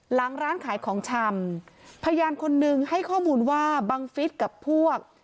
หลังร้านขายของชำพยานคนนึงให้ข้อมูลว่าบังฟิศกับพวก